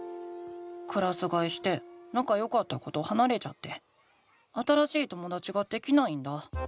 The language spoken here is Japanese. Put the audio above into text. クラスがえしてなかよかった子とはなれちゃって新しいともだちができないんだ。